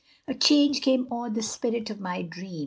VI A change came o'er the spirit of my dream.